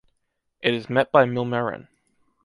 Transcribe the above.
It is met by Milmerran.